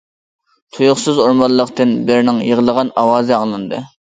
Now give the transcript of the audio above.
تۇيۇقسىز ئورمانلىقتىن بىرىنىڭ يىغلىغان ئاۋازى ئاڭلاندى.